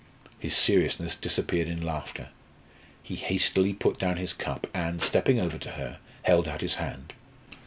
His seriousness disappeared in laughter. He hastily put down his cup and, stepping over to her, held out his hand.